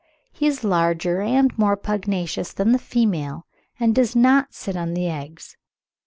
He is larger and more pugnacious than the female, and does not sit on the eggs.